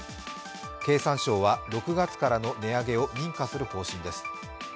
経産省は６月からの値上げを認可する方針です。